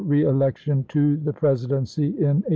reelection to the Presidency in 1864."